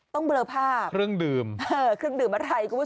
ต้องเบลอภาพเครื่องดื่มเครื่องดื่มอะไร